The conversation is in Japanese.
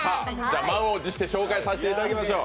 満を持して紹介させていただきましょう。